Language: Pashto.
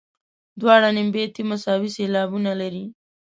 دواړه نیم بیتي مساوي سېلابونه لري.